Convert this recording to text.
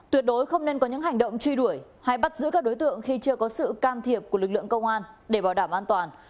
tuyệt đối không nên có những hành động truy đuổi hay bắt giữ các đối tượng khi chưa có sự can thiệp của lực lượng công an để bảo đảm an toàn